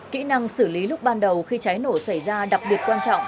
kỹ năng xử lý lúc ban đầu khi cháy nổ xảy ra đặc biệt quan trọng